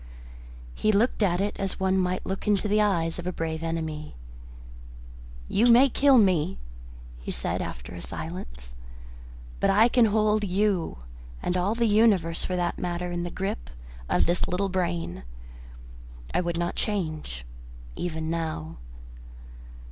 He looked at it as one might look into the eyes of a brave enemy. "You may kill me," he said after a silence. "But I can hold you and all the universe for that matter in the grip of this small brain. I would not change. Even now."